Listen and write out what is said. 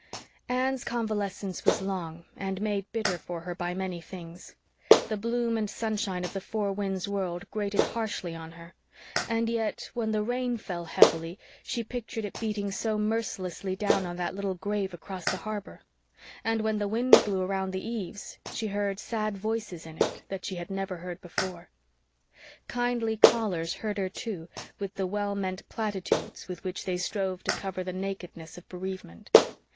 Anne's convalescence was long, and made bitter for her by many things. The bloom and sunshine of the Four Winds world grated harshly on her; and yet, when the rain fell heavily, she pictured it beating so mercilessly down on that little grave across the harbor; and when the wind blew around the eaves she heard sad voices in it she had never heard before. Kindly callers hurt her, too, with the well meant platitudes with which they strove to cover the nakedness of bereavement.